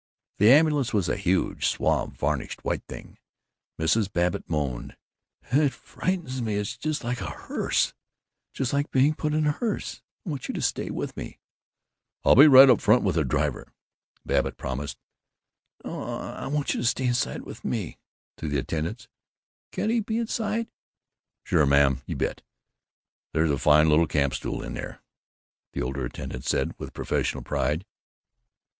The ambulance was a huge, suave, varnished, white thing. Mrs. Babbitt moaned, "It frightens me. It's just like a hearse, just like being put in a hearse. I want you to stay with me." "I'll be right up front with the driver," Babbitt promised. "No, I want you to stay inside with me." To the attendants: "Can't he be inside?" "Sure, ma'am, you bet. There's a fine little camp stool in there," the older attendant said, with professional pride.